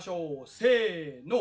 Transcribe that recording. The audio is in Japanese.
せの。